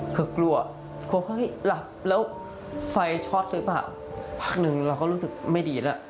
คือกลัวกลัวเฮ้ยหลับแล้วไฟช็อตหรือเปล่าพักหนึ่งเราก็รู้สึกไม่ดีแล้ว